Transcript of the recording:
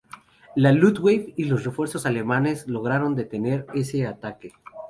La "Luftwaffe" y los refuerzos alemanes lograron detener ese ataque.